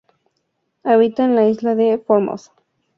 Habita en la isla de Formosa.